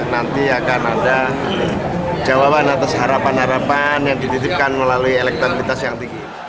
nanti akan ada jawaban atas harapan harapan yang dititipkan melalui elektabilitas yang tinggi